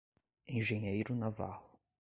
Engenheiro Navarro